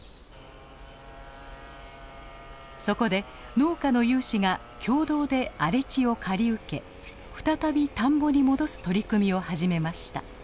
そこで農家の有志が共同で荒れ地を借り受け再び田んぼに戻す取り組みを始めました。